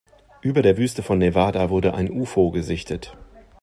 Über der Wüste von Nevada wurde ein Ufo gesichtet.